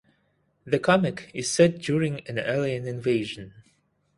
The comic is set during an alien invasion.